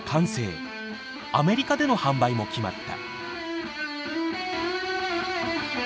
アメリカでの販売も決まった。